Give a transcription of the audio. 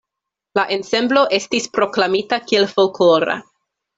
La ensemblo estis proklamita kiel folklora.